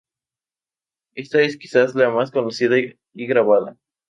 Esta es quizás la más conocida y grabada.